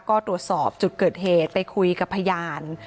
ก็ตรวจสอบจุดเกิดเหตุไปคุยกับพยาน